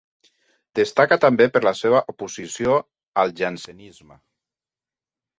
Destaca també per la seva oposició al jansenisme.